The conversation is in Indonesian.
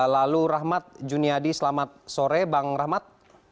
lalu rahmat juniadi selamat sore bang rahmat